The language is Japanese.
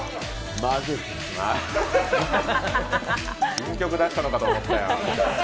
新曲出したのかと思ったよ。